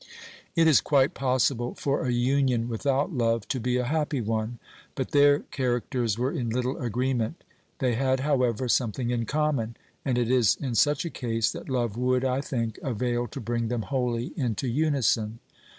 It is quite possible for a union without love to be a happy one, but their characters were in little agreement ; they liad, however, something in common, and it is in such a case that love would, I think, avail to bring them wholly into unison.